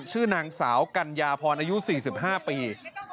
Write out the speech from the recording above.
ชื่อนางสาวกัญญาพรอายุ๔๕ปี